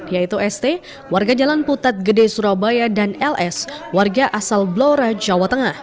yaitu st warga jalan putat gede surabaya dan ls warga asal blora jawa tengah